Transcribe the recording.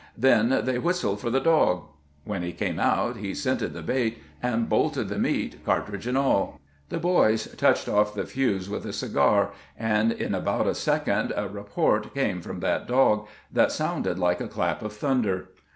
Then they whistled for the dog. When he came out he scented the bait, and bolted the meat, cartridge and aU. The boys touched off the fuse with a cigar, and in about a second a report came from that dog that sounded like a clap of thunder.